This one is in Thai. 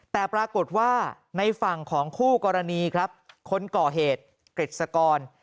แต่ปรากฏว่าในฝั่งของคู่กรณีครับคนก่อเหตุกฤษกร